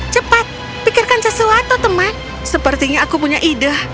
cepat pikirkan sesuatu teman sepertinya aku punya ide